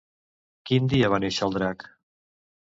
Quin dia va néixer el drac?